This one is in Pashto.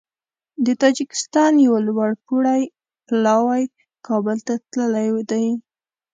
د تاجکستان یو لوړپوړی پلاوی کابل ته تللی دی